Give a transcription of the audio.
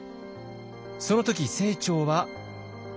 その時清張は。